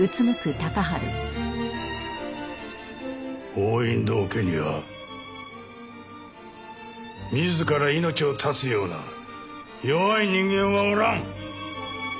王隠堂家には自ら命を絶つような弱い人間はおらん！